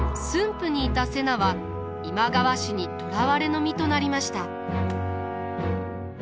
府にいた瀬名は今川氏に捕らわれの身となりました。